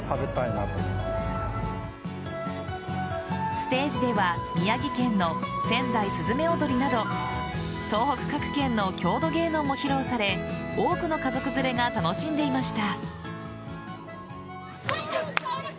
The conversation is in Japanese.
ステージでは宮城県の仙台すずめ踊りなど東北各県の郷土芸能も披露され多くの家族連れが楽しんでいました。